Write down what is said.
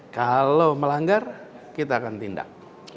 kalau melanggar kita akan tindak